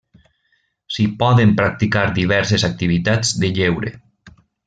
S'hi poden practicar diverses activitats de lleure.